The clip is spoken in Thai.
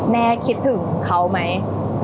แม่คิดถึงเขาไหม